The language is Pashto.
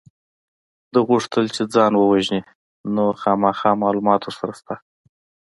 ده غوښتل چې ځان ووژني نو خامخا معلومات ورسره شته